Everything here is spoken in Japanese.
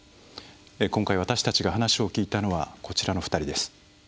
今回、私たちが話を聞いたのはこちらの２人です。